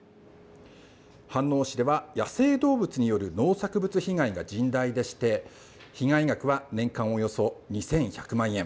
飯能市では、野生動物による農作物被害が甚大でして、被害額は年間およそ２１００万円。